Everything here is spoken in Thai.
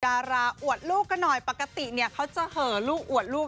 ดาราอวดลูกกันหน่อยปกติเนี่ยเขาจะเหอลูกอวดลูก